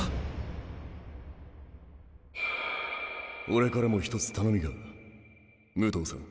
俺からも１つ頼みがある武藤さん。